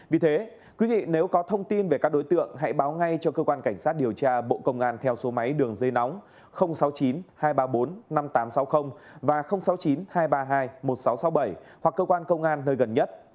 vì thế quý vị nếu có thông tin về các đối tượng hãy báo ngay cho cơ quan cảnh sát điều tra bộ công an theo số máy đường dây nóng sáu mươi chín hai trăm ba mươi bốn năm nghìn tám trăm sáu mươi và sáu mươi chín hai trăm ba mươi hai một nghìn sáu trăm sáu mươi bảy hoặc cơ quan công an nơi gần nhất